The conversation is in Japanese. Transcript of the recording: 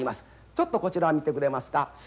ちょっとこちらを見てくれますか。